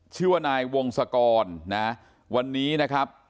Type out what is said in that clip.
ชื่อว่านายวงศกรนะวันนี้นะครับ